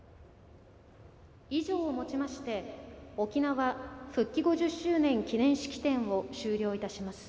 以上を持ちまして「沖縄復帰５０周年記念式典」を終了いたします。